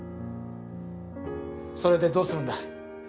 それでどうするんだ？